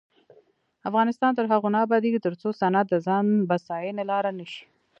افغانستان تر هغو نه ابادیږي، ترڅو صنعت د ځان بسیاینې لاره نشي.